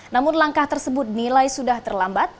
namun langkah tersebut nilai sudah terlambat